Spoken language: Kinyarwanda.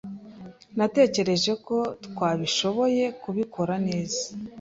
Natekereje ko twabishoboye kubikora neza.